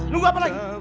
tunggu tunggu tunggu